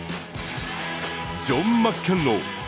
ジョン・マッケンロー。